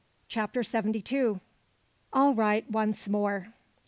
CHAPTER SEVENTY TWO. ALL RIGHT ONCE MORE.